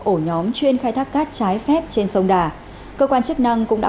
ổ nhóm chuyên khai thác cát trái phép trên sông đà cơ quan chức năng cũng đã